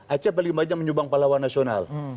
aceh paling banyak menyubang pahlawan nasional